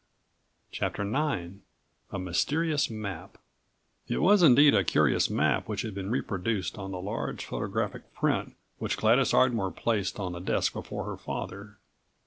95 CHAPTER IXA MYSTERIOUS MAP It was indeed a curious map which had been reproduced on the large photographic print which Gladys Ardmore placed on the desk before her father.